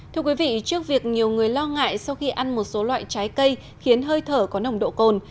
thưa quý vị trước việc nhiều người lo ngại sau khi ăn một số loại trái cây khiến hơi thở có nồng độ cồn